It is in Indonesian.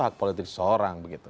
hak politik seseorang